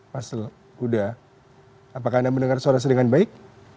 mas huda apakah anda mendengar suara saya dengan baik